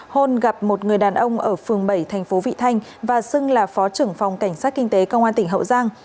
hôn gặp một người đàn ông ở phường bảy thành phố vị thanh và xưng là phó trưởng phòng cảnh sát kinh tế công an tỉnh hậu giang